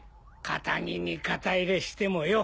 カタギに肩入れしてもよ